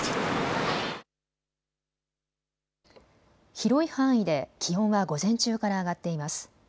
広い範囲で気温は午前中から上がっています。